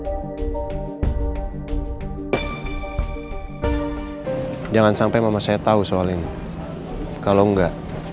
aku minta tolong jangan bahas masalah ini lagi ya